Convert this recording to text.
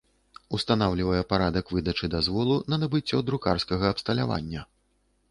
Устанаўлiвае парадак выдачы дазволу на набыццё друкарскага абсталявання.